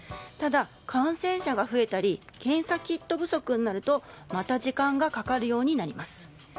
ただ、感染者が増えたり検査キット不足になるとまた時間がかかるようになります。